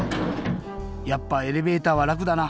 やっぱエレベーターはらくだな。